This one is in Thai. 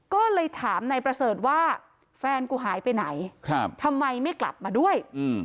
ก็เลยถามนายประเสริฐว่าแฟนกูหายไปไหนทำไมไม่กลับมาด้วย